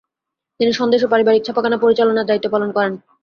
তিনি সন্দেশ ও পারিবারিক ছাপাখানা পরিচালনার দায়িত্ব পালন করেন।